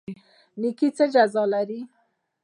نیکي څه جزا لري؟